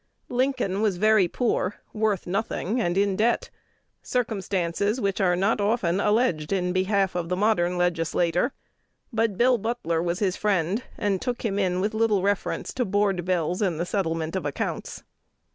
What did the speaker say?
Lincoln was very poor, worth nothing, and in debt, circumstances which are not often alleged in behalf of the modern legislator; but "Bill Butler" was his friend, and took him in with little reference to board bills and the settlement of accounts.